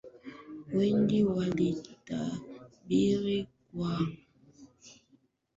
wengi walitabiri kuwa kivumbi kigezuka mwaka huu baada ya matukio ya urais kutangazwa